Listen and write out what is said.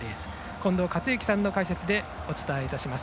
近藤克之さんの解説でお伝えします。